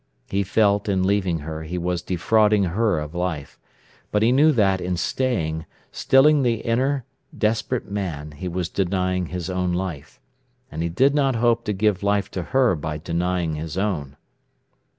He felt, in leaving her, he was defrauding her of life. But he knew that, in staying, stilling the inner, desperate man, he was denying his own life. And he did not hope to give life to her by denying his own.